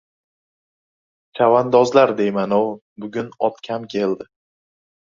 — Chavandozlar deyman-ov, bugun ot kam keldi!